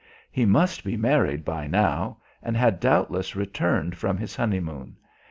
He must be married by now, and had doubtless returned from his honeymoon.